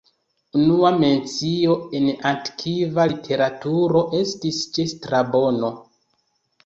Unua mencio en antikva literaturo estis ĉe Strabono.